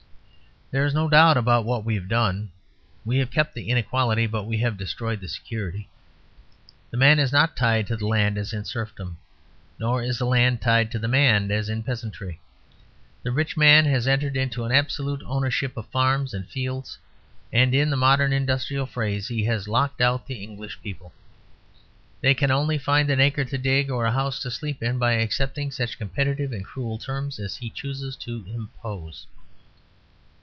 There is no doubt about what we have done. We have kept the inequality, but we have destroyed the security. The man is not tied to the land, as in serfdom; nor is the land tied to the man, as in a peasantry. The rich man has entered into an absolute ownership of farms and fields; and (in the modern industrial phrase) he has locked out the English people. They can only find an acre to dig or a house to sleep in by accepting such competitive and cruel terms as he chooses to impose.